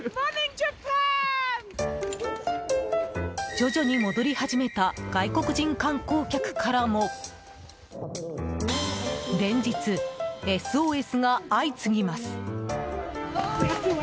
徐々に戻り始めた外国人観光客からも連日、ＳＯＳが相次ぎます。